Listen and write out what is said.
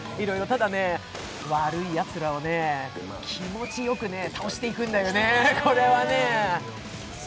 ただね、悪いやつらを気持ちよく倒していくんだよね。